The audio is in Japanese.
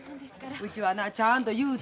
うちはなちゃんと言うたんや。